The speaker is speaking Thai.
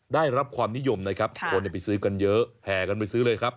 ได้รับความนิยมนะครับคนไปซื้อกันเยอะแห่กันไปซื้อเลยครับ